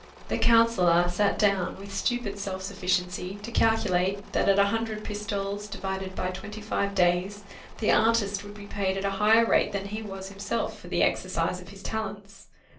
The counsellor sat down, with stupid self sufficiency, to calculate, that at a hundred pistoles, divided by twenty five days, the artist would be paid at a higher rate than he was himself for the exercise of his talents.